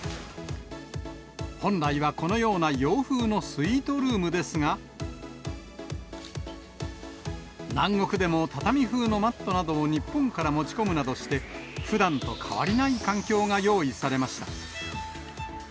本来はこのような洋風のスイートルームですが、南国でも畳風のマットなどを日本から持ち込むなどして、ふだんと変わりない環境が用意されました。